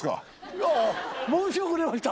いやぁ申し遅れました。